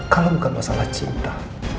kalau bukan masalah cinta